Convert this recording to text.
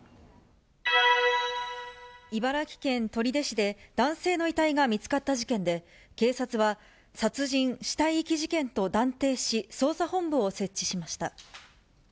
茨城県取手市で男性の遺体が見つかった事件で、警察は殺人・死体遺棄事件と断定し、捜査本部を設置しました。